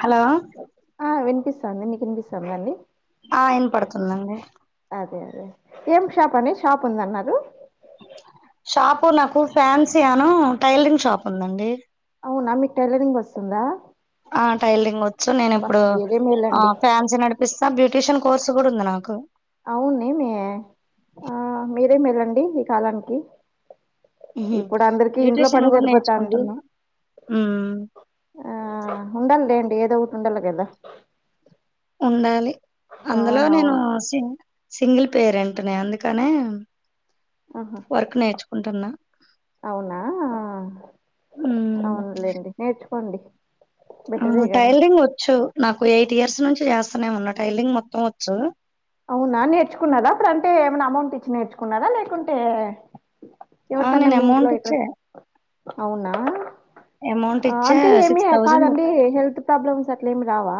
Hello. వినిపిస్తుంది మీకు వినిపిస్తుందా అండి. ఆహ్ వినపడుతోంది అండి. అదే ఏం షాప్ అండి షాప్ అని అన్నారు. షాపు నాకు ఫ్యాన్సీ అను టైలరింగ్ షాప్ ఉందండి. అవునా మికు టైలరింగ్ వస్తుందా. ఆ టైలరింగ్ వచ్చు నేను అబ్బా ఇప్పుడు మీరే మేలండి ఆహ్ ఫ్యాన్సీ నడిపిస్తా బ్యూటీషియన్ కోర్సు కూడా ఉంది నాకు. అవునేమీ ఆహ్ మీరేమేలాండి ఈ కాలానికి ఉహు ఇప్పుడు అందరికి ఇంట్లో బ్యూటీషియన్ పని కూడా సరిపోతాంది. నేర్చుకుంటున్నా ఉమ్ ఆహ్ ఉండాలలేండి ఏదో ఒకటి ఉండాలి కదా ఉండాలి అందులో నేను అవునవును సింగ్. సింగిల్ పేరెంట్నే అందుకనే ఆహా వర్క్ నేర్చుకుంటున్నా. అవునా ఉమ్ అవునులేండి నేర్చుకోండి. బెటరే ఆ గాని టైలరింగ్ వచ్చు నాకు ఎయిట్ ఇయర్స్ నుంచి చేస్తానేమన్నా టైలింగ్ మొత్తం వచ్చు అవునా నేర్చుకున్నదా అప్పుడు అంటే ఏమైనా అమౌంట్ ఇచ్చి నేర్చుకున్నదా లేకుంటే ఆ ఎవరితన్నా నేను మీ ఇంట్లో అమౌంట్ ఎక్కడ ఇచ్చే అవునా అమౌంట్ ఆ ఇచ్చే అంటే ఏమి సిక్స్ థౌజండ్ కాదండి హెల్త్ ప్రాబ్లమ్స్ అట్లా ఎం రావా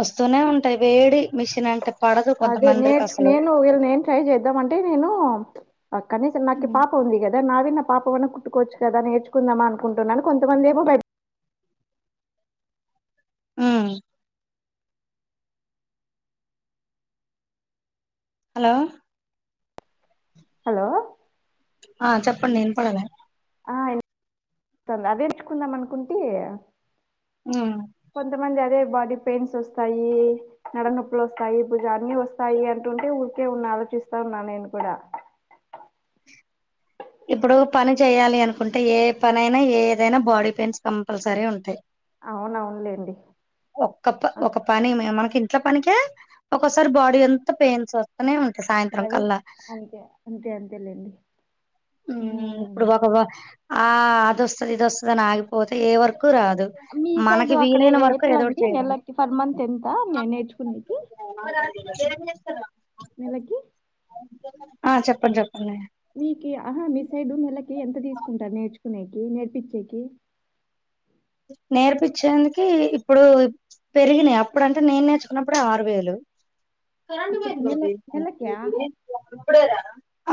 వస్తూనే ఉంటాయి వేడి మిషన్ అంటే పడదు అదే కొంతమందిరికి నేను అసలు నేను వీళ్ళు నేను ట్రై చేద్దాం అంటే నేను కనీస నాకి పాప ఉంది కదా నాది నా పాపమన్న కుట్టుకోవచ్చు కదా నేర్చుకుందామా అనుకుంటున్నాను కొంతమంది ఏమో బాయ్ మ్మ్ హలో హలో ఆ చెప్పండి వినిపడలే ఆ వంది అదే నేర్చుకుందాం అనుకుంటే ఉమ్ కొంతమంది అదే బాడీ పెయిన్స్ వస్తాయి నడనొప్పులు వస్తాయి భుజ అన్ని వస్తాయి అంటుంటే ఊరికే ఉన్న చపిస్తా ఉన్నా నేను కూడా ఇప్పుడు పని చేయ్యాలి అనుకుంటే ఏ పనిైనా ఏదైనా బాడీ పెయిన్స్ కంపల్సరీ ఉంటాయి అవునవునులేండి ఒక్క పని ఆ, ఒక పని మనకి ఇట్లా పనినికకే ఒసారి బాడీ ఎంత పెయిన్స్ వస్తనే ఉంటది అవి అంతే అంతే అంతే లేండి ఇప్పుడు ఒక ఆ అదొస్తది ఇదోస్తంది అని ఆగిపోతే ఏ వరకు రాదు మీ సైడ్ మనకి అక్కడ వీలైన వరకు ఎట్లా ఎదోటి అండి చేయడమే నెలకి పర్ మంత్ ఎంత నే- నేర్చుకునేకి [inaudible] నెలకి ఆ చెప్పండి చెప్పండి మీకు ఆహా మీ సైడ్ నెలకి ఎంత తీసుకు కుంటారు నేర్చుకునేకి నేర్పించేకి నేర్పచ్చేందుకి ఇప్పుడు పెరిగినయి అప్పుడు అంటే నేను నేర్చుకున్నప్పుడుే ఆరు వేలు [inaudible] కరెంటు అప్పుడు పోయింది నెల బాబీ నెలకా నెలక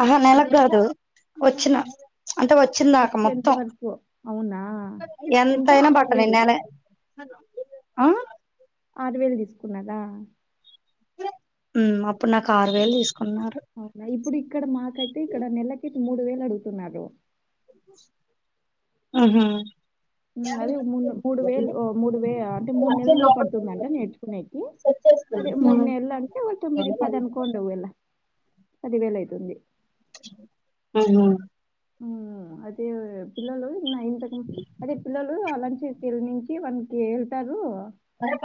ఆహా నెలకు కాదు ఆ, వచ్చిన అంటే వచ్చిందాక వచ్చేంత మొత్తం వరకు అవునా ఎంత ఎంతైనా ఆరు బాటని వేలా నెలే ఆ ఆరు వేలు తీసుకున్నదా అప్పుడు నాకు ఆరు వేలు తీసుకు అవునా ఇప్పుడు ఇక్కడ మాకైతే ఇక్కడ నెలకి మూడు వేలు అడుగుతున్నారు ఆహ అదే మూ మూడు వేలు మూడు వే అంటే మూడు నెలలు పడుతుందంట నేర్చుకునేకి అదే మూడు నెలు అంటే వా తొమ్మిది పది అనుకోది ఓవల పదివేల అయితుంది ఉమ్మ్ ఉమ్మ్ అదే పిల్లలు ఇంతకు అదే పిల్లలు అలాంటికెళ్ళి నుంచి వానకి వెళ్తారు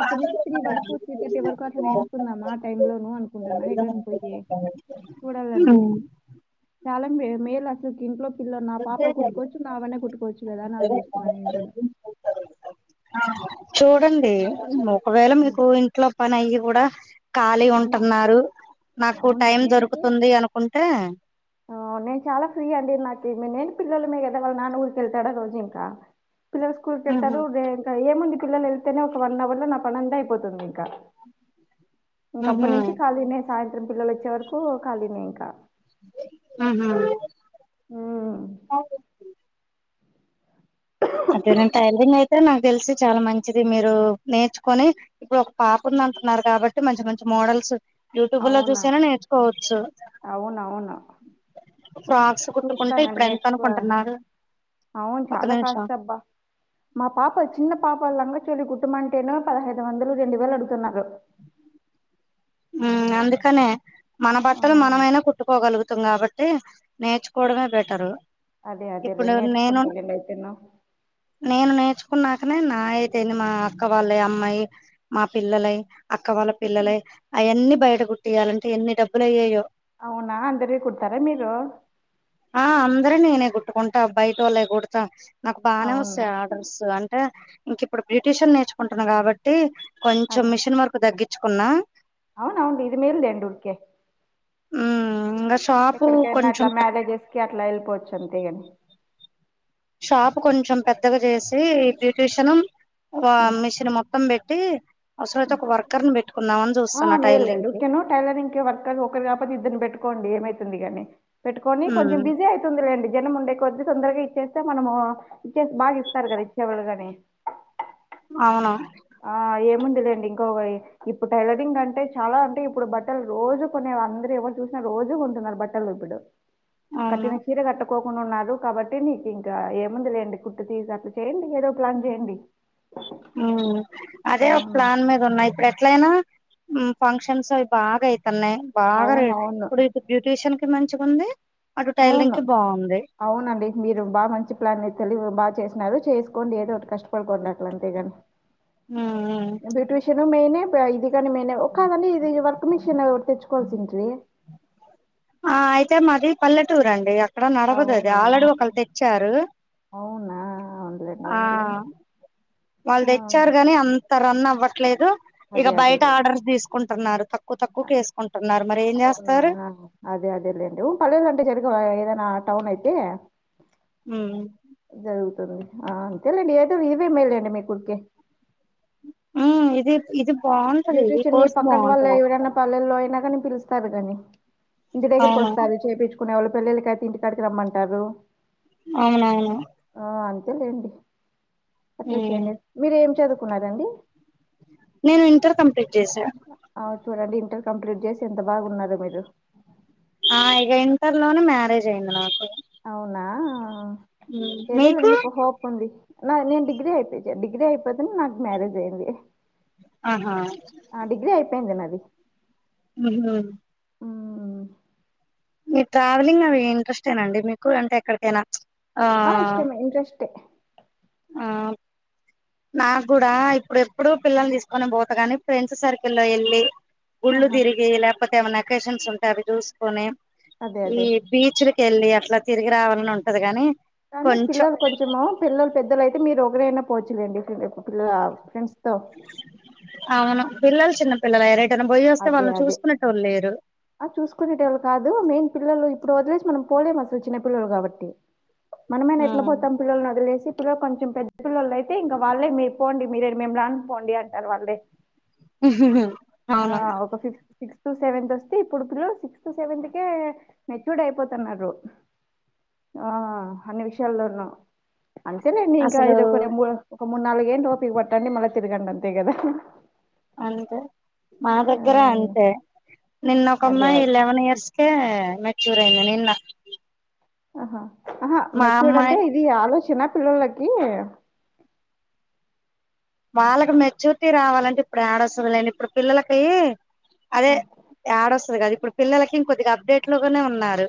అప్పటి నుంచి త్రీ వరకు త్రీ థర్టీ వరకు అట్లా నేర్చుకుందామా ఆ టైమ్ లోను అనుకుంటున్నా ఎక్కడనా పోయ అఓ చూడాలండి చాలా మేలు అసలుకి ఇంట్లో ఇలో నా పాపకు కుట్టుకోవచ్చు నావన్న కుట్టుకోవచ్చు కదా అని ఆలోచిస్తున్న నేను కూడా. చూడండి ఒకవేళ హ్మ్. మీకు ఇంట్లో పని అయి కూడా. ఖాళీ నా ఉంటున్నారు నాకు అవును. టైం నేనైతే దొరుకుతుంది అనుకుంటే. ఆహ్. నేను చాలా ఫ్రీ అండి నాకు నేను పిల్లలమే కదా వాళ్ళ నాన్న ఊరికెళ్తాడా రోజు ఇంకా. పిల్లలు స్కూల్ ఉహు కేలతారు ఏముంది. పిల్లలెళ్తేనే ఒక వన్ అవర్ లో నా పనంతా అయిపోతుంది ఇంకా. అప్పటి ఉహు నుంచి ఖాళీనే సాయంత్రం పిల్లలోచ్చే వరకు ఖాళీనే ఇంకా. ఉహు. మ్మ్ అదే నేన్ టైలరింగయితే. అదే నాకు తెల్సి చాలా మంచిది మీరు నేర్చుకొని ఇప్పుడు ఒక పాపుంది అంటున్నారు కాబట్టి మంచి మంచి మంచి. మోడల్స్ యూట్యూబ్ లో అవునా చూసైనా నేర్చుకోవచ్చు అవునవును ఆ, ఫ్రాక్స్ కుట్టుకుంటే చూస్తానండి ఇప్పుడెంత ఎక్కువ అనుకుంటున్నారు అవును ఒక చాలా నిమిషం. కాస్ట్ [unintelligible] [inaudible] మా పాప చిన్న పాప లంగచోలి కుట్టుమంటేనే పదహైదు వందలు రెండు వేలు అడుగుతున్నారు. [unintelligible] ఉమ్ అందుకనే మన ఆ బట్టలు మనమైనా కుట్టుకోగలుగుతాం కాబట్టి నేర్చుకొన్. కోవడమే బెటరు. అదే అదే లే ఇప్పుడు నేను నేర్చుకుంటలేండి అయితేను. నేను నేర్చుకున్నాకనే నా అయితేంది మా అక్క వాళ్ళయి అమ్మాయి మా పిల్లలయి అక్క. వాళ్ళ పిల్లలయి అయన్నీ బయట కుట్టీయాలంటే ఎన్ని డబ్బులయ్యెయో. అవునా అందరియి కుడ్తారా మీరు. అందరియి నేనే కుట్టుకుంటా బయటొళ్ళయి కుడ్తా. నాకు బానే అవునా వస్తాయి ఆర్డర్స్ అంటే ఇంకిప్పుడు బ్యుటిషన్ నేర్చుకుంటున్నా కాబట్టి. కొంచెం మిషిన్ వర్కు తగ్గించ్చుకున్నా. అవునా అండి ఇది మేల్ లేండి ఊర్కె. ఉమ్ ఇంగ. షాపు ఎక్కడికైనా అట్లా కొంచెం మ్యారేజెస్ కి అట్లా ఎళ్పోవచ్చు అంతే ఇగ మీరు. షాప్ కొంచెం పెద్దగా చేసి బ్యూటీషన్ ఆహ్ అంతేగాని మిషన్ మొత్ మొత్తం పెట్టి అసలైతే ఒక వర్కర్ ని పెట్. ఆహ్ మేల్లేండి ఉకేను టైలరింగ్ కి వర్కర్ ఒకరు కాకపోతే ఇద్దని పెట్టుకోండి ఏమైతుంది గానీ. పెట్టుకొని కొంచెం ఉమ్ బిజీ అయితుందిలేండి. జనం ఉండే కొద్ది తొందరగా ఇచ్చేస్తే మనము ఇచ్చేసి బాగిస్తారు కదా ఇచ్చేవోళ్ళు గని. అవును. ఆహ్ ఏముందిలేండి ఇంకొగ్వొయ్ ఇప్పుడు టైలరింగ్ అంటే చాలా అంటే ఇప్పుడు బట్టలు రోజు కొనే అందరు ఎవరు చూసినా రోజుగోంటున్నారు బట్టలిపుడు అవును కట్నిన చీర కట్టక్. కోకుండా ఉన్నారు కాబట్టి నీకింకా ఏముంది లేండి కుట్టు తీసి అట్లా చేయండి ఏదో ప్లాన్ చేయండి. ఉమ్ ఆ అదే ఒక ప్లాన్ మీదున్నా ఇప్పుడెట్లయినా ఉమ్ ఫంక్షన్సో. బాగా అయితున్నాయి బాగా రేట్ అవునవును అవును ఇప్పుడు ఇటు బ్యూటీషియన్ కి మంచిగుంది. అటు టైలరింగ్ అవును కి బాగుంది అవునండి మీరు బాగా మంచి ప్లాన్ మీద్ తెలివి బాగ్ చేసినారు. చేసుకొండి ఏదొటి కష్టపడుకోండి అట్లా అంతెగాని ఉమ్ బ్యూటిషను మేనె అబ్బె ఇది గాని మేనే ఒకదండి ఇది వర్క్ మిషన్ ఒట్ తెచ్చుకోల్సింట్రి. ఆహ్ అయితే మాది పల్లెటూరండి అక్కడ నడవదది అవునా ఆల్రెడి ఒకళు తెచ్చారు. అవునా అవునులేండి అవునులేండి ఆహ్ వాళ్ ఆ తెచ్చారు గాని అంత రన్ అవ్వట్లేదు. ఇగ అదే బయట అదేలే ఆర్డర్స్ తీసుకుంటున్నారు తక్కువ తక్కువ వేసుకుంటున్నారు మరి ఏం చేస్తారు. అవునా అదే అదే లేండి ఊ పల్లెల్లంటే జరిగవాయే ఏదనా టౌన్ అయితే ఉమ్మ్ అంతేలేండ్ ఆ అంతేలేండి ఏదొ ఇవే మేల్ లేండి మీక్ కుర్కే ఉ ఇదిప్ ఇదిప్ బ్యూటీషియన్ మీ పక్కన్ వల్లయి ఎవరైనా పల్లెల్లో అయినా గానీ పిలుస్తారు గని ఇంటి అవును దగ్గరకోస్తారు చేపిచ్చుకునే వాళ్ళు ప్ పెళ్ళళ్లకికైతే ఇంటి కాడికి రమ్మంటారు అవునవును ఆ అంతేలేండి అట్లే ఉమ్ చేయండి మీరేం చదువుకున్నారండి నేను ఇంటర్ కంప్లీట్ చేసా అవ్ చూడండి ఇంటర్ కంప్లీట్ చేసి ఎంత బాగున్నారో మీరు ఆ ఇక ఇంటర్లోనే మ్యారేజ్ అయింది నాకు అవునా ఏదో లేం మీకు హోప్ ఉంది నా నేను డిగ్రీ అయిపోయి డిగ్రీ అయిపోతే నాకు మ్యారేజ్ అయింది ఆహా ఆ డిగ్రీ అయిపోయింది నాది ఉమ్మ్ మ్మ్ మీ ట్రావెలింగ్ అవి ఇంట్రెస్ట్ ఏనా అండి మీకు అంటే ఎక్కడికైనా ఆ ఇష్టమే ఇంట్రెస్ట్ ఆ నాకు కూడా ఇప్పుడు ఎప్పుడుూ పిల్లల్ని తీసుకొనే పోత కాగాని ఫ్రెండ్స్ సర్కిల్లో వెళ్ళలి గుళ్ళు ఆహా తిరిగి లేకపోతే ఏమైనా అకేషన్స్ ఉంటాయి అవి చూసుకొని అదే ఈ అదే బీచ్ వెళ్లి అట్లా తిరిగి రావాలని ఉంటది గాని కానీ కొంచెం పిల్లలు కొంచెము పిల్లలు పెద్దలయితే అయితే మీరు ఒకరైనా పోవచ్చులేండి పిల్ల ఫ్రెండ్స్ తో అవును పిల్లలు చిన్న పిల్లలు అయిరు అదే అదే ఆ చూసుకునేటవాళు కాదు మెయిన్ పిల్లలు ఇప్పుడు వదిలేసి మనం పోలేం అసలు చిన్న పల్లలు కాబట్టి మనమైన ఎట్లా పోతాం పిల్లని వదిలేసి ఇ కొంచెం పెద్ద పిల్లల అయితే ఇం వాలే మీరు పోండి మేం రామ్ పొడి అంటారు వాళ్ళే ఆ అవును ఒక ఫిఫ్ సిక్స్ టూ సెవెంత వస్తే ఇప్పుడు పిల్లు సిక్స్త్ సెవెంత్ కే మెచ్యూర్ అయిపోతున్నారు ఆ అన్ని విషయాల్లోనూ అంతేలేడీ ఇంకా అసలు ఇది ఒక రె ఒక మూడు నాలుగు ఏండ్లు ఓపిక పట్టండి మళ్ళీ తిరగండి అంతే కదా అంతే మా ఆ దగ్గర అంతే నిన్న ఒక అదే అమ్మాయి అదే లెవెన్ ఇయర్స్కే మెచ్యూర్ అయింది నిన్న ఆహా ఆహా మా మెచ్చూడు అమ్మాయి అంటే ఇది ఆలోచన పిల్లలకి వాళ్ళకి మెచ్యూరిటీ రావాలంటే ఇప్పుడు ఏడోస్తది లేడి ఇప్పుడు పిల్లలకి ఆ, అదే ఆడ వస్తుది కదా ఇప్పుడు పిల్లలకి ఇంకద్దిగా అప్డేట్ లోగానే ఉన్నారు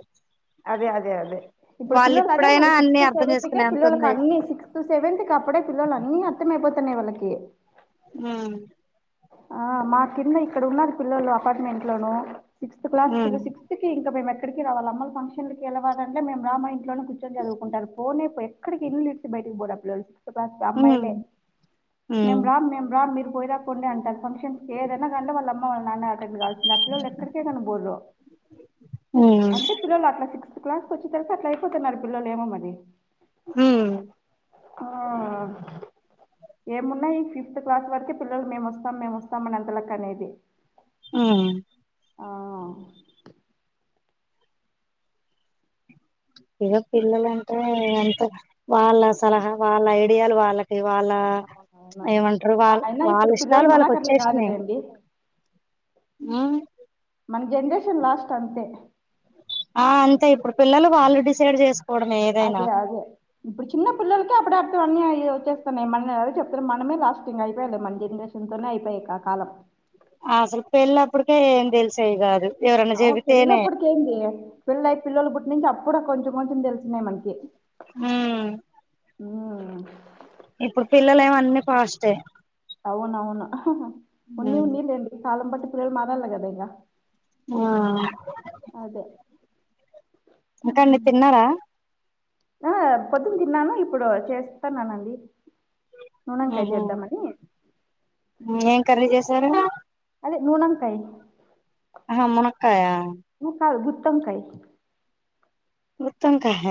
అదే అదే అదే ఇప్పు వాళ్ళు పిల్లలు అదే ఇప్పుడైనా మన అన్ని సిక్స్త్ అర్థం సెవెంత్ కే చేసుకునే అంత పిల్లలకి ఉంది అన్ని సిక్స్త్ సెవె క అప్పుడే పిల్లలు అన్ని అర్థమైపోతున్నాయి వాళ్లకి ఉమ్ ఆ మా కింద ఇక్కడ ఉన్నారు పిల్లలు అపార్ట్మెంట్ లోను సిక్స్త్ క్లాస్ పిల్ల ఉమ్ సిక్స్త్ క ఇంకా మే ఎక్కడికి రాాలి అమ్మ ఫంక్షన్కి వెళ్ళాలంటేము రామ ఇంట్లో కూచని చదువుకుంటారు పోనే ఎక్కడికి ఇల్లు ఇచ బయటికీ ఫిఫ్త్ క్లాస్ ఉమ్ అమ్మయిలే రామ్ మే రామ్ మేమ్ రామ్ మీరు పోయరా అంటారు ఫంక్షన్స్ ఏదైనా కాంట వాళ్ళ అమ్మ వాళ్ళ నాన్న అడ్డండే కాల్సింది ఆ పిల్లలు ఎక్కడికేనా బోరు ఉమ్ ఉమ్ అంటే పిల్లలు అట్లా సిక్స్త్ క్లాస్ కు వచ్చిన్ తర్వత అట్లా అయిపోతున్నారు పిల్లలు ఏమోమరి ఉమ్ ఆ ఏమున్నాయి ఫిఫ్త్ క్లాస్ వరకే పిల్లలు మేము వస్తాం మేము వస్తాం అని అంతలక్ అనేది ఉం ఆ ఇగ పిల్లలంటే ఎంత వాళ్ళ సలహా వాళ్ళ ఐడియాలు వాళ్ళ వాళ్ళ అవునవును ఏమంటారు వాల్ అయినా వాళ్ళ ఇప్పుడు పిల్లలు ఇష్టాలు మనకట్ల వాళ్ళకచ్చేష్నై కాదులేండి ఆ మన జన్రేషన్ లాస్ట్ అంతే ఆ అంతే ఇప్పుడు పిల్లలు వాళ్ళు డిసైడ్ చేస్ అదే అదే ఇప్పుడు చిన్న పిల్లల్కి అప్పుడ అన్నీ అయ్యే వచ్చేస్తున్నాయ్ మనద చెప్తున్నా మనమే లాస్టింగ అయిపోయాంది మన జన్రేషన్ తోనే అయిపోయయి క కాలం అసలు పెళ్ళప్పుడికే ఏం తెలిసే కాదు ఎవరన్నా అవు చెబితేనే పెళ్ళప్పడీకేంది పెళ్ళయ్యి పిల్లలు పుట్టి నుంచి అప్పుడు కొంచెం కొంచెం దెల్ చిన్నయ్ మనకి ఉమ్ ఉం ఇప్పుడు పిల్లలేమో అన్ని ఫాస్టే అవునవును ఉమ్ ఉండినిఉండిని లేండి కాలం బట్టి పిల్లలు మారాల గదా ఇగ ఆ అదే ఇంకా అండి తిన్నారా ఆ పొద్దున్ తిన్నాను ఇప్పుడు చేస్తన్నానండి నూనొంకాయ్ ఉహు చేద్దామని ఏం కర్రీ చేశారు అదే నూనంకాయ్ అహా మునక్కాయ ఉ కాదు గుత్తొంక్కై గుత్తొంక్కహ్య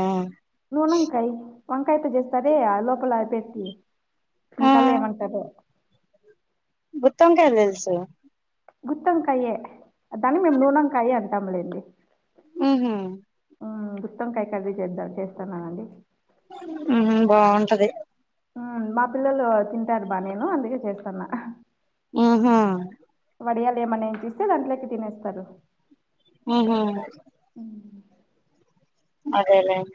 నూనొంకాయ్ వంకాయతో చేస్తారే అ లోపల పెట్టి ఆ మీకల్ల ఏమంటారో గుత్తోంకాయ్ తెల్సు గుత్తొంక్కయ్యే దాన్ని మేము నూనొంకాయి అంటంలెండి ఉహు ఉ గుత్తొంక్కై కర్రి చేద్దా చేస్తున్నానండి ఉహు బావుంటది ఆ మా పిల్లలు తింటారు బా నేను అందుకే చేస్తన్న ఉహ వడియాల ఏమన్నా ఎంచిస్తే దాంట్లోకి తినేస్తారు ఆహ అదేలే